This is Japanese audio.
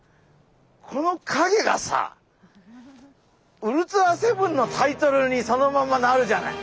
このかげがさ「ウルトラセブン」のタイトルにそのままなるじゃない。